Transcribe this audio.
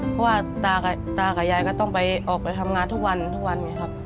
เพราะว่าตากับยายก็ต้องไปออกไปทำงานทุกวันทุกวันไงครับ